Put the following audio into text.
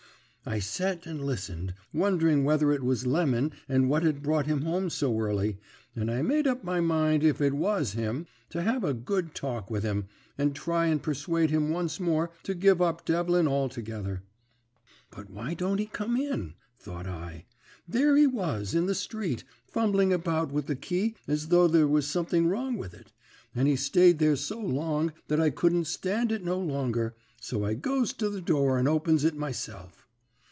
I set and listened, wondering whether it was Lemon and what had brought him home so early, and I made up my mind, if it was him, to have a good talk with him, and try and persuade him once more to give up Devlin altogether. 'But why don't he come in?' thought I. There he was in the street, fumbling about with the key as though there was something wrong with it; and he stayed there so long that I couldn't stand it no longer, so I goes to the door and opens it myself.